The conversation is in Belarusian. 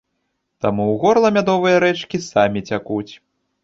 Таму ў горла мядовыя рэчкі самі цякуць.